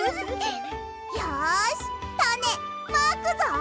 よしタネまくぞ！